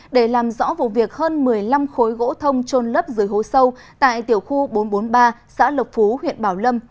để làm rõ vụ việc hơn một mươi năm khối gỗ thông trôn lấp dưới hố sâu tại tiểu khu bốn trăm bốn mươi ba xã lộc phú huyện bảo lâm